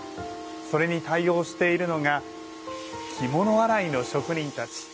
それに対応しているのが着物洗いの職人たち。